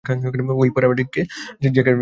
Will, paramedic জ্যাকেটটা নিয়ে নে।